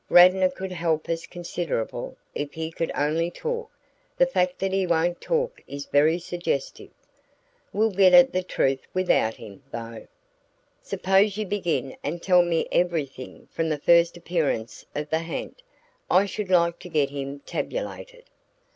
Radnor could help us considerably if he would only talk the fact that he won't talk is very suggestive. We'll get at the truth without him, though. Suppose you begin and tell me everything from the first appearance of the ha'nt. I should like to get him tabulated."